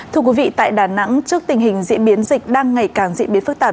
thưa quý vị tại đà nẵng trước tình hình diễn biến dịch đang ngày càng diễn biến phức tạp